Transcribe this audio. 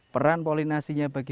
peran polinasinya bagi